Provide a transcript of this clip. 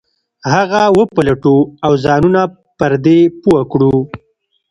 هغه وپلټو او ځانونه پر دې پوه کړو.